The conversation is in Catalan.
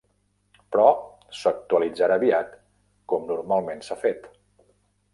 Però s'actualitzarà aviat com normalment s'ha fet.